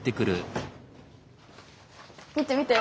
見てみて。